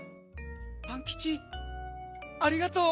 パンキチありがとう。